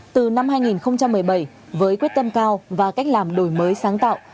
từ năm hai nghìn một mươi bảy với quyết tâm cao và cách làm đổi mới sáng tạo